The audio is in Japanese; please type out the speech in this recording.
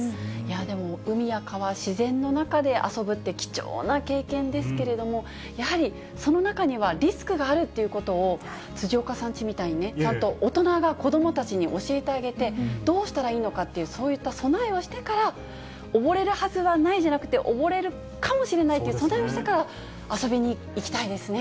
でも海や川、自然の中で遊ぶって貴重な経験ですけれども、やはりその中にはリスクがあるということを辻岡さんちみたいにね、ちゃんと大人が子どもたちに教えてあげ、どうしたらいいのかっていうそういった備えをしてから、溺れるはずはないじゃなくて、溺れるかもしれないという備えをしてから、遊びに行きたいですね。